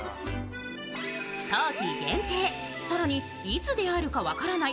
冬季限定、更にいつ出会えるか分からない